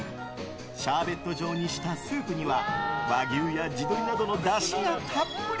シャーベット状にしたスープには和牛や地鶏などのだしがたっぷり。